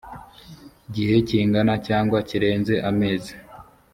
gihe kingana cyangwa kirenze amezi